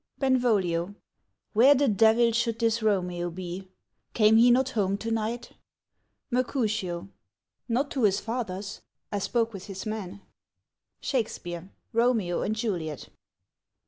Benvolio. Where the devil should this Romeo be ? Came he not home to night ? Mercutio. Not to his father's ; I spoke with his man. SHAKESPEARE : Romeo and Juliet.